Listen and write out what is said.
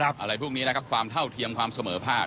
อะไรพวกนี้นะครับความเท่าเทียมความเสมอภาค